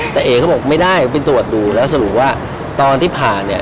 แต่เอ๋เขาบอกไม่ได้ไปตรวจดูแล้วสรุปว่าตอนที่ผ่าเนี่ย